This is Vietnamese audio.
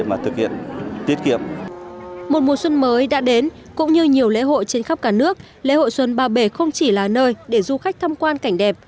một mùa xuân mới đã đến cũng như nhiều lễ hội trên khắp cả nước lễ hội xuân ba bể không chỉ là nơi để du khách tham quan cảnh đẹp